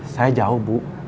saya jauh bu